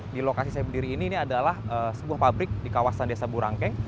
di lokasi saya berdiri ini ini adalah sebuah pabrik di kawasan desa burangkeng